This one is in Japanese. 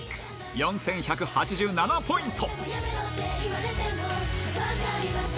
４１８７ポイント。